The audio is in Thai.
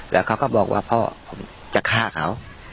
แล้วเขาก็บอกว่าพ่อผมจะฆ่าเขา